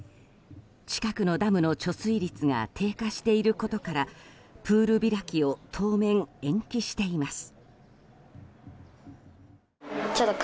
近くのダムの貯水率が低下していることからプール開きを当面延期しています。